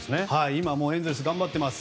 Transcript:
今、エンゼルス頑張っています。